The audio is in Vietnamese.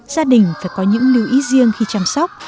gia đình phải có những lưu ý riêng khi chăm sóc